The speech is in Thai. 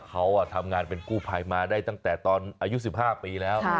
เขาทำงานเป็นกู้ภัยมาได้ตั้งแต่ตอนอายุ๑๕ปีแล้ว